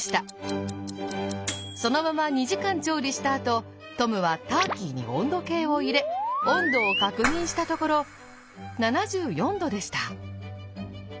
そのまま２時間調理したあとトムはターキーに温度計を入れ温度を確認したところ７４℃でした。